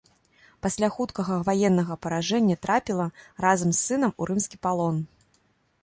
Пасля хуткага ваеннага паражэння трапіла, разам з сынам, у рымскі палон.